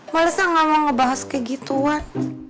malesan gak mau ngebahas kayak gituan